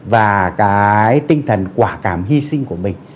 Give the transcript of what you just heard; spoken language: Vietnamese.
và cái tinh thần quả cảm hy sinh của mình